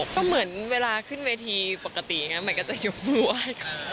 ก็เหมือนเวลาขึ้นเวทีปกติอย่างนั้นใหม่ก็จะหยุดมือไหว้ก่อน